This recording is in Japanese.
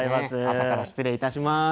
朝から失礼いたします。